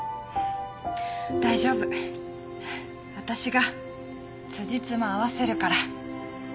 大丈夫私がつじつま合わせるから。